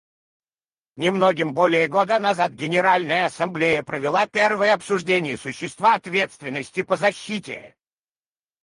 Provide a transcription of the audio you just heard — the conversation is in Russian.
Немногим более года назад Генеральная Ассамблея провела первое обсуждение существа «ответственности по защите».